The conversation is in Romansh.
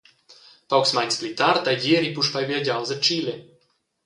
Paucs meins pli tard ei Gieri puspei viagiaus a Chile.